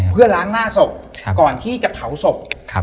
เพื่อล้างหน้าศพก่อนที่จะเผาศพ